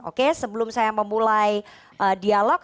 oke sebelum saya memulai dialog